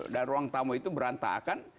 dan ruang tamu itu berantakan